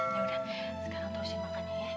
ya udah sekarang terusin makan ya